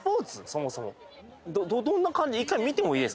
そもそもどんな感じ？